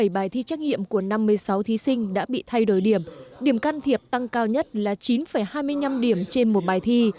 một trăm bốn mươi bảy bài thi trách nhiệm của năm mươi sáu thí sinh đã bị thay đổi điểm điểm can thiệp tăng cao nhất là chín hai mươi năm điểm trên một bài thi